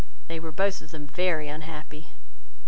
They were both of them very unhappy.